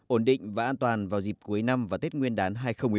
ổn định và an toàn vào dịp cuối năm và tết nguyên đán hai nghìn một mươi bốn